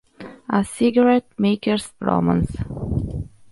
A Cigarette-Maker's Romance